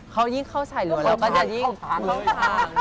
เขายิ่งเข้าชายล้วนแล้วมันจะยิ่งเข้าทาง